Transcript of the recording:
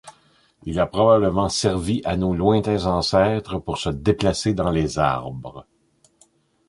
Il a probablement servi à nos lointains ancêtres pour se déplacer dans les arbres.